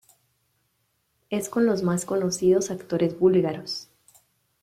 Es con los más conocidos actores búlgaros.